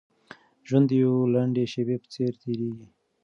ژوند د يوې لنډې شېبې په څېر تېرېږي.